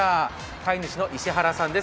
飼い主の石原さんです。